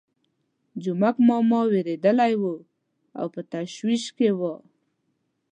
جومک ماما وېرېدلی وو او په تشویش کې وو.